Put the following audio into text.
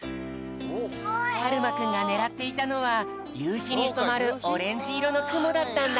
はるまくんがねらっていたのはゆうひにそまるオレンジいろのくもだったんだ。